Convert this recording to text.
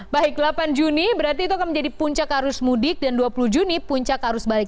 baik delapan juni berarti itu akan menjadi puncak arus mudik dan dua puluh juni puncak arus balik